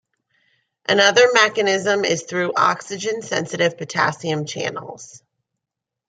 Another mechanism is through oxygen sensitive potassium channels.